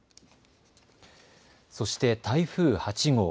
そして台風８号。